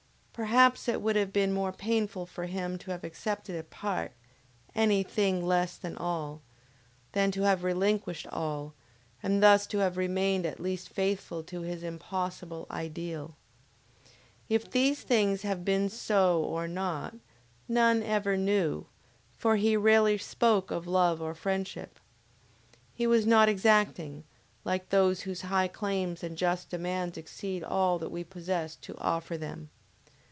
Perhaps it would have been more painful for him to have accepted a part, any thing less than all, than to have relinquished all, and thus to have remained at least faithful to his impossible Ideal! If these things have been so or not, none ever knew, for he rarely spoke of love or friendship. He was not exacting, like those whose high claims and just demands exceed all that we possess to offer them.